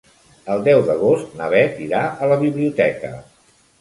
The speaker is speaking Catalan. El deu d'agost na Bet irà a la biblioteca.